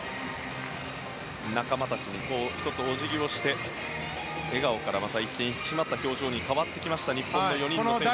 仲間たちに一つお辞儀をして笑顔からまた一転引き締まった表情に変わった日本です。